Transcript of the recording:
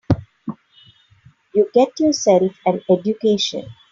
You get yourself an education.